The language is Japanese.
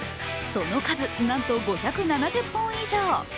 その数、なんと５７０本以上！